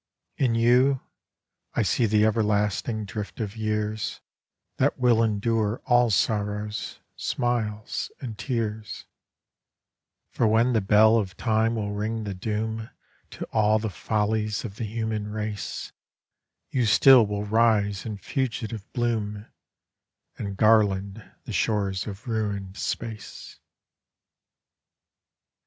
In you, I see the everlasting drift of years That will endur* all sorrows, smiles and tears; Por when the ball of time will ring the doom To all the follies of the human race, You still will rise in fugitive bloom And garland the shores of ruined space.